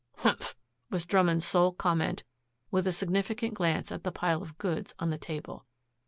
"Humph!" was Drummond's sole comment with a significant glance at the pile of goods on the table.